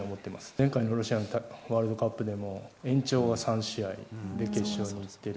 前回のロシアワールドカップでも、延長が３試合で決勝に行っている。